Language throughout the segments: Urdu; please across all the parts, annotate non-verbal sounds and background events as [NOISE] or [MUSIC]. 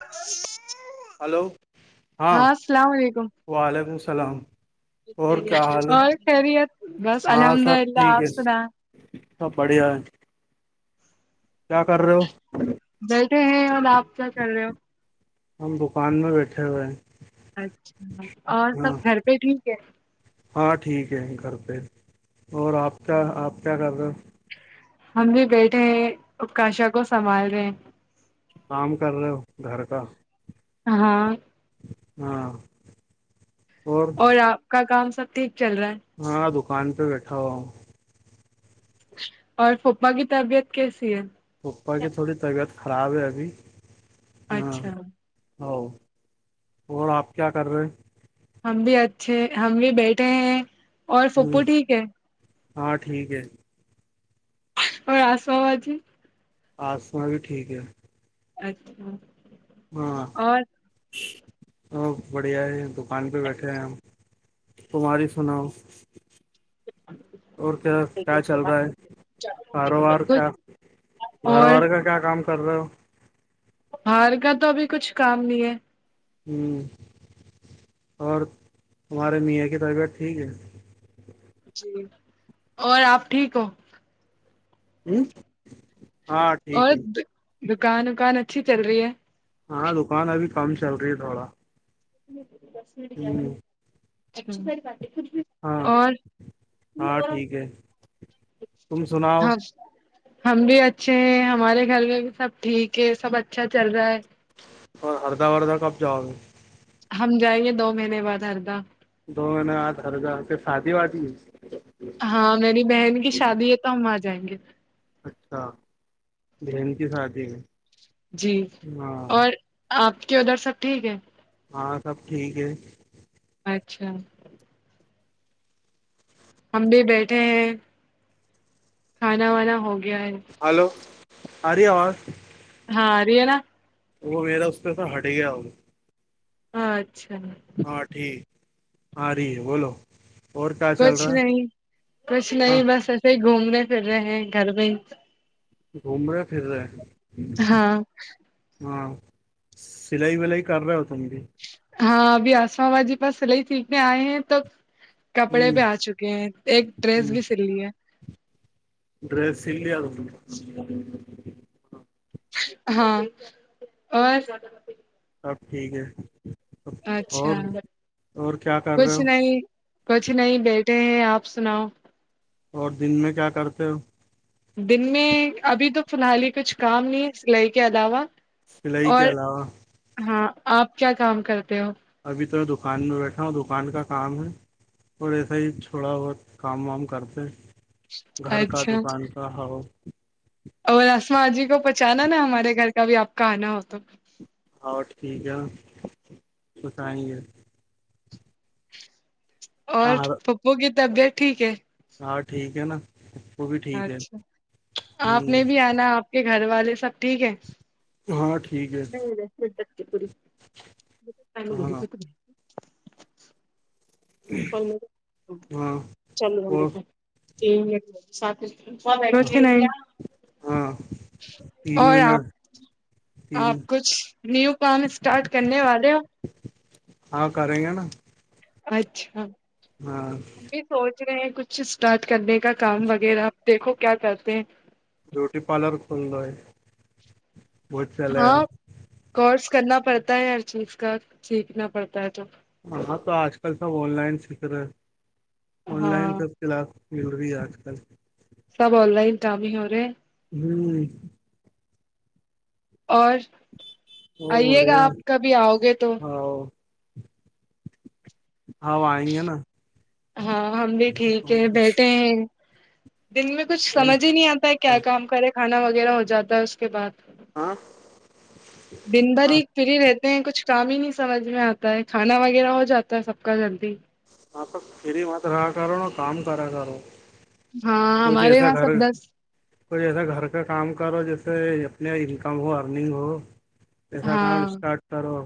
ا [UNINTELLIGIBLE] ہلو ہاں علیکم وعلیکم السلام اور کیا حال ہے اور خیریت بس الحمد للہ آپ صد ا سب بڑیا کیا کر رہے ہو بیٹھے ہیں اور آپ کیا چل رہے ہو ہم دکان میں بیٹھے ہوئے ہیں اچھا اور سب ہاں گھر پہ ٹھیک ہے ہاں ٹھیک ہے گھر پہ اور آپ کیا آپ کیا کر رہے ہو ہم بھی بیٹھے ہیں اکاشا کو سنبھال رہے ہیں کام کر رہے ہو گھر کا ہاں ہاں اور آپ کا کام سب ٹھیک چل رہا ہے ہاں دکان پہ بیٹھا ہوا ہوں اور پھوپا کی تبیعت کیسی ہے پھپوپپا کی تھوڑی طبیعت خراب ہے ابھی ہاں اچھا ہ اور آپ کیا کر رہے ہم بھی اچھے ہم بھی بیٹھے ہیں اور ہ پوپو ٹھیک ہے ہاں ٹھیک ہے اور آسو بجی آسما بھی ٹھیک ہے اچھا ہاں اور ا بڑھیا ہے دکان پہ بیٹھے ہیں ہم تمہاری سناؤ اور کیا کیا چل رہا ہے کاروبار کچھ کیا گھر اور والار کا کیا کام کر رہے ہو باہر کا تو ابھی کچھ کام نہیں ہے ہوں اور ہمارے میاں کی طبیعت ٹھیک ہے جی اور آپ ٹھیک ہو ہوں اور دکان وکان اچھی چل رہی ہے ہاں دکان ابھی کم چل رہی ہے تھوڑا ہ [UNINTELLIGIBLE] ہاں اور ہاں ٹھیک ہے تم سناؤ ہم ہم بھی اچھے ہیں ہمارے گھر میں بھی سب ٹھیک ہے سب اچھا چل رہا ہے ہردہ ردہ کب جاؤ گ ہم جائیں گے دو مہینے بعد ہردا دون آ ہر جاتے سادھی وادی ہاں میری بہن کی شادی ہے تو ہم آ جائیں گے اچھا بہن کی شادی ہے جی ہاں اور آپ کے ادھر سب ٹھیک ہے ہاں سب ٹھیک ہے اچھا ہم بھی بیٹھے ہیں کھانا وانا ہو گیا ہے ہلو اری آواز ہاں ر ہے نا وہ میرا اس پہ س ہٹ گیا وہ اچھا ہاں ٹھیک ہاں ر بولو اور کیا چل کچھ رہا ہے نہیں کچھ ہاں نہیں بس ایسے ہی گھومنے پھر رہے ہیں گھر میں ہی گھوم رہے پھر رہے ہاں ہاں سلائی ولائی کر رہہ ہوم کہ ہاں ابھی آسام آباد جی پاس سلائی سیکھنے آئے ہیں توب کپڑے پہ ہوں آ چکے ہیں ایک ڈریس بھی سل لی ہے ڈرس لی ہاں اور اب ٹھیک ہےب اچھا اور اور کیا کر رہے کچھ ہو نہیں کچھ نہیں بیٹھے ہیں آپ سناؤ اور دن میں کیا کرتے ہو دن میں ابھی تو ف الحال ہی کچھ کام نہیں ہے سلائی کے علاوہ فلی کے اور علاوہ ہاں آپ کیا کام کرتے ہو ابھی تو میں دکان میں بیٹھا ہوں دکان کا کام ہے اور ایسا ہی تھوڑا بہت کام وام کرتے ہیں گھر کا اچھا دکان کا ہو اور رسما جی کو پہچانا نا ہمارے گھر کا بھی آپ کا آنا ہو تو ہاں ٹھیک ہے سسیں گے اور کہاں ہر- پپو کی طبیعت ٹھیک ہے ہاں ٹھیک ہے نا وہ بھی ٹھیک ہے اچھا ہوں آپ نے بھی آنا آپ کے گھر والے سب ٹھیک ہے ہاں ٹھیک ہے نہیں ہاں پور ہاں چلو ہل اور ہے سات روز کے نہیں ہاں تین اور منٹ آپ تین آپ کچھ نیو کام اسٹارٹ کرنے والے ہو ہاں کر رہیں ہیں نا اچھا ہاں ہم بھی سوچ رہے ہیں کچھ اسٹارٹ کرنے کا کام وغیرہ دیکھو کیا کرتے ہیں بیوٹی پارلر کھلل ہے بہت چلے گا ہاں کورس کرنا پڑتا ہے ہر چیز کا سیکھنا پڑتا ہے تو ہاں تو آج کل سب آن لائن سیکھ رہے ہیں آن لائن ہاں س تلاف مل رہی ہے آج کل سب آن لائن کام ہی ہو رہے ہوں اور اور آئیے گا بڑھیا آپ کبھی آؤ گے تو ہاں ہاں وہ آئیں گے نا ہاں ہم بھی ٹھیک ہے بیٹھے ہیں دن میں کچھ سمجھ ہی نہیں آتا ہے کیا کام کرے کھانا وغیرہ ہو جاتا ہے اس کے بعد ہاں [INAUDIBLE] دن بھر ہاں ہاں ہی فری رہتے ہیں کچھ کام ہی نہیں سمجھ میں آتا ہے کھانا وغیرہ ہو جاتا ہے سب کا جلدی آ ت فری مت رہا کر رہو نا کام کرا کر رہ ہو ہاں کچھ ہمارے ایسا وہاں گھر سب دس کوئی جسا گھر کا کام کرو جیسے اپنے انکم ہو ارننگ ہو جسا کام ہاں اسٹارٹ کرو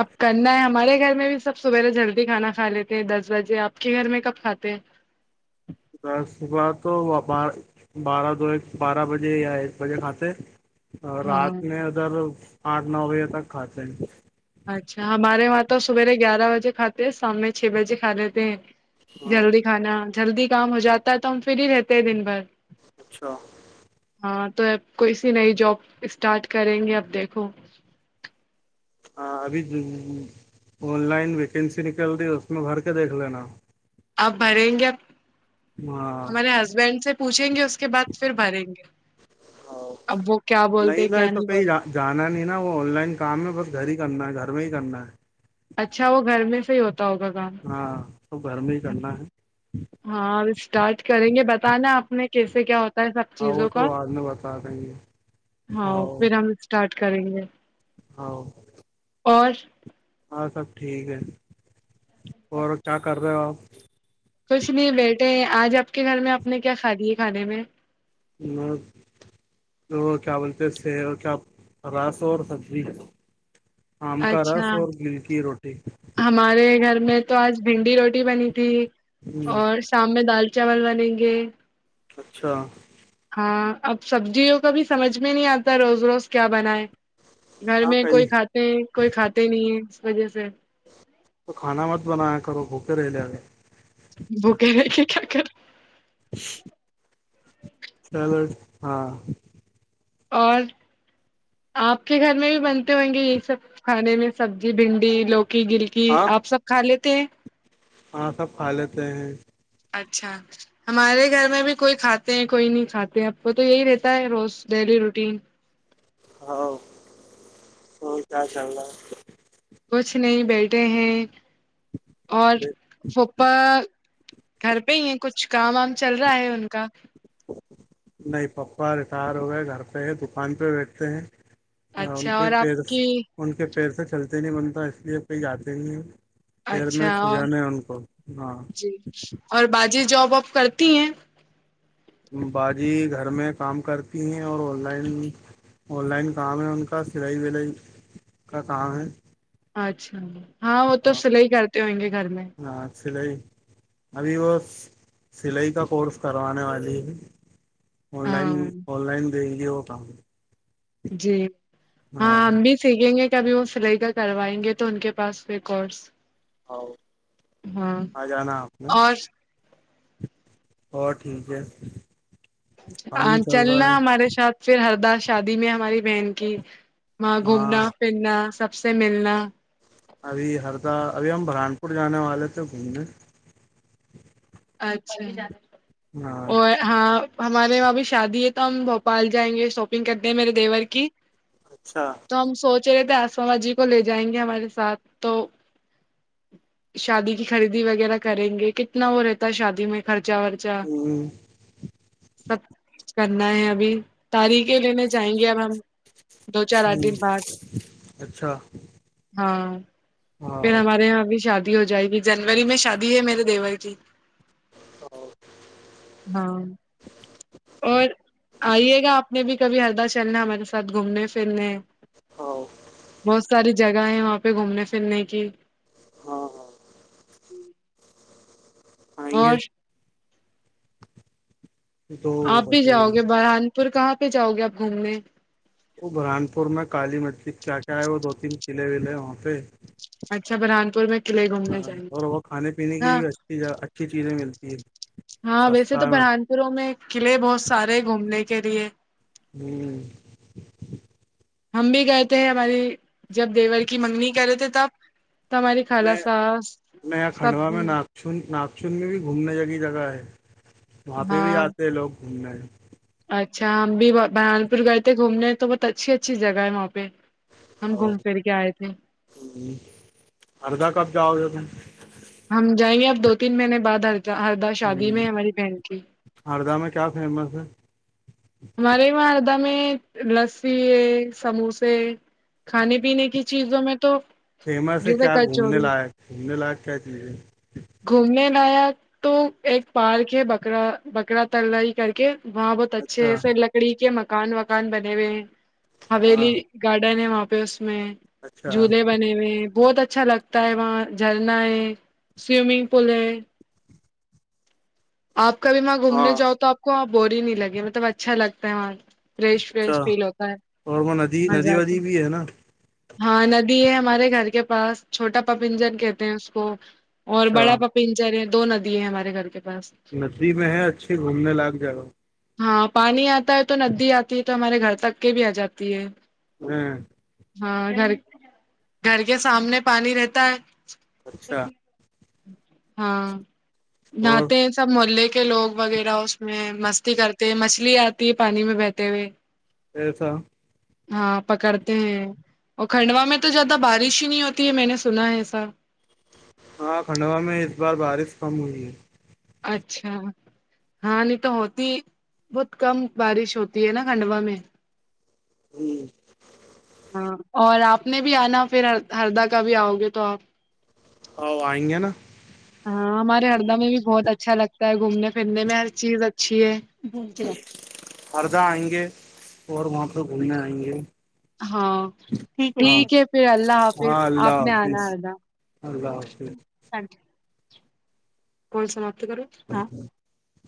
اب کرنا ہے ہمارے گھر میں بھی سب سبیرے جلدی کھانا کھا لیتے ہیں دس بجے آپ کے گھر میں کب کھاتے ہیں ب ص ب تو وپار بارہ دو ایک بارہ بجے یا ایک بجے کھاتے اور رات ہاں میں ادھر آٹھ نو بجے تک کھاتے ہیں اچھا ہمارے وہاں تو سویرے گیارہ بجے کھاتے ہیں شام میں چھ بجے کھا لیتے ہیں جلدی کھانا جلدی کام ہو جاتا ہے تو ہم فھر ہی رہتے ہیں دن بھر اچھا ہاں تو کوئی سی نئی جاب اسٹارٹ کریں گے اب دیکھو ہاں ابھی آن لائن ویکینسی نکل رہی ہے اس میں بھر کے دیکھ لینا آپ بھریں گے آب ہاں ہمارے ہسبینڈ سے پوچھیں گے اس کے بعد پھر بھریں گے اب وہ کیا بولتے کیا نہیں بولتے جانا نہیں نا وہ آن لائن کام ہے بس گھر ہی کرنا ہے گھر میں ہی کرنا ہے اچھا وہ گھر میں سے ہی ہوتا ہوگا کام ہے ہاں تو گھر میں ہی ہ کرنا ہے ہاں اسٹارٹ کریں گے بتانا آپ نے کیسے کیا ہوتا سب ہاں وہ چیزوں کا تو بعد میں بتا دیں گے ہاں پھر ہم اسٹارٹ کریں گے ہاں اور ہاں سب ٹھیک ہے اور کیا کر رہے ہو آپ کچھ نہیں بیٹے آج آپ کے گھر میں آپ نے کیا کھا دی ہے کھانے میں م تو کیا بولتے ہیں س کیا راس اور ہجی ہے آم کا رس اچھا اور گل کی روٹی ہمارے گھر میں تو آج بھنڈی روٹی بنی تھی ہ اور شام میں دال چاول بنیں گے اچھا ہاں اب سبزیوں کا بھی سمجھ میں نہیں آتا روز روز کیا بنائے گھر ہاں میں کئی کوئی کھاتے ہیں کوئی کھاتے نہیں ہے اس وجہ سے کھانا مت بنایا کرو بھکے رہے لےے بھوکے ل کہ کیا کر چلو ہاں اور آپ کے گھر میں بھی بنتے ہوئیں گے یہی سب کھانے میں سبزی بھنڈی لوکی گری کہ ہاں آپ سب کھا لیتے ہیں ہاں سب کھا لیتے ہیں اچھا ہمارے گھر میں بھی کوئی کھاتے ہیں کوئی نہیں کھاتے ہیں اب کو تو یہی رہتا ہے روز ڈیلی روٹین ہاں تو کیا چلنا کچھ نہیں بیٹھے ہیں اور ہے پوپا گھر پہ ہی ہیں کچھ کام وام چل رہا ہے ان کا نہیں پپا ریٹائر ہو گئے گھر پہ ہے دکان پہ بیٹھتے ہیں ہاں ان اچھا کے اور پ آپ کی ان کے پیر سے چلتے نہیں بنتا اس لیے کہئی آاتتے نہیں ہیں پیر میں اچھا اور سوجن ہیں ان کو ہاں جی اور باجی جاب وب کرتی ہیں باازی گھر میں کام کرتی ہیں اور آن لائن آن لائن کام ہے ان کا سلائی ولائی کا کام ہے اچھا ہاں وہ تو سل ہی کرتے ہئیں گے گھر میں ہاں سلائی ابھی وہ سلائی کا کورس کروانے والی ہے آن لائن ہاں آن لائن دیں گی وہ کام جی ہاں م سیکھیں گے کہ ابھی وہ سلائی کا کروائیں گے تو ان کے پاس وہ کورس اور ہاں آ جانا ہے آپ نے اور اور ٹھیک ہے کام اچ چل چلنا رہا ہے ہمارے ساتھ پھر ہر دار شادی میں ہماری بہن کی وہاں گھومنا ہاں پھرنا سب سے ملنا ابھی ہردہ ابھی ہم بران پور جانے والے تھے گھومنے اچھا ہاں [UNINTELLIGIBLE] اور ہاں ہمارے وہاں بھی شادی ہے تو ہم بھوپال جائیں گے شاپنگ کرتے ہیں میرے دیور کی [UNINTELLIGIBLE] اچھا [UNINTELLIGIBLE] تو ہم سوچ رہے تھے آسام جی کو لے جائیں گے ہمارے ساتھ تو [UNINTELLIGIBLE] شادی کی خریدی وغیرہ کریں گے کتنا وہ رہتا تا شادی میں خرچہ ورچہ ہ سب کرنا ہے ابھی [UNINTELLIGIBLE] تاریخیں لینے جائیں گے اب ہم دو چار آٹھ دن ہ بعد [UNINTELLIGIBLE] اچھا [UNINTELLIGIBLE] ہاں ہاں پھر ہمارے یہاں ابھی شادی ہو جائے گی جنوری میں شادی ہے میرے دیور کی ہ [UNINTELLIGIBLE] ہاں [UNINTELLIGIBLE] اور آئیے گا آپ نے بھی کبھی ہردہ چلنا ہمارے ساتھ گھومنے پھرنے ہاں بہت ساری جگہ گاہ ہے وہاں پہ گھومنے پھرنے کی ہاں ہاں اور دو آپ بھی بجے جاؤ گے برحان پھر کہاں پہ جاؤ گے آپ گھومنے وہ بران پور میں کالی مسجلک کیا کیا ہے وہ دو تین قلعے ولے وہاں پہ اچھا برحان پور میں قلعے گھومنے ہاں جائیں گے اور وہ کھانے پینے کی ہاں بھی اچھی اچھی چیزیں ملتی ہے ہاں ویسے تو سستا ہے برہان پوروں میں قلعے بہت سارے ہیں گھومنے کے لیے ہ [UNINTELLIGIBLE] ہم بھی کہتے ہیں ہماری جب دیور کی منگنی کرے تھے تب تب ہماری خالا ساس سب ناچن ناگچن میں بھی گھومنے جگ جگہ ہے وہاں پہ بھی ہاں آتے ہیں لوگ گھومنے اچھا ہم بھی بہران پور گئے تھے گھومنے تو بہت اچھی اچھی جگہ ہے وہاں پہ ہم گھوم پھر کے آئے تھے اردا کب جاؤ گے ہم جائیں گے اب دو تین مہینے بعد ہر ہردہ شادی میں ہماری بہن کی ہردہ میں کیا فیمس ہے ہمارے وہاں ہردہ میں لسی ہے سموسے کھانے پینے کی چیزوں میں تو فیمس ہے جیسے کیا گھومنے کچوروری لائق گھومنے لائق کیا چیز ہے گھومنے لائق تو ایک پارک ہے بکرا بکرا تلائی کر کے وہاں پرہ اچھا اچھے سے لکڑی کے مکان وکان بنے ہوئے ہیں ہاں حویلی گارڈن ہے وہاں پہ اس میں اچھا جولے بنے ہوئے بہت اچھا لگتا ہے وہاں جھرنا ہے سوئمنگ پول ہے آپ کبھی وہاں ہاں گھومنے جاؤ تو آپ کو وہاں بور ہی نہیں لگے مطلب اچھا لگتا ہے وہاں فریش اچھا فریش فیل ہوتا ہے اور وہ ندی ندی مزہ کا ودی بھی ہے نا ہاں ندی ہے ہمارے گھر کے پاس چھوٹا پپنجن کہتے ہیں اس کو اور بڑا اچھا پپنجر ہے دو ندی ہیں ہمارے گھر کے پاس ندی میں ہے اچھے گھومنے لاق جائے ہاں پانی آتا ہے تو ندی آتی ہے تو ہمارے گھر تک کے بھی آ جاتی ہے ہوں ہاں گھر گھر کے سامنے پانی رہتا ہے اچھا ہاں اور نہاتے ہیں سب محلے کے لوگ وغیرہ اس میں مستی کرتے ہیں مچھلی آتی ہے پانی میں بہتے ہوئے ایسا ہاں پکڑتے ہیں اور کھنڈوا میں تو زیادہ بارش ہی نہیں ہوتی ہے میں نے سنا ہے ایسا ہاں کھنڈوا میں اس بار بارش کم ہوئی ہے اچھا ہاں نہیں تو ہوتی ہی بہت کم بارش ہوتی ہے نا کھنڈوا میں ہوں ہاں اور آپ نے بھی آنا پھر ہردا کا بھی آؤ گے تو آپ او آئیں گے نا ہاں ہمارے ہردہ میں بھی بہت اچھا لگتا ہے گھومنے پھرنے میں ہر چیز اچھی ہے ہردہ آئیں گے اور وہاں پہ گھومنے آئیں گے ہاں ہاں ٹھیک ہے پھر اللہ حافظ ہاں آپ اللہ نے آنا حافظ ادا اللہ حافظ تن کون سماپتی کر ہاں